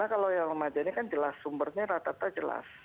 kalau yang remaja ini kan jelas sumbernya rata rata jelas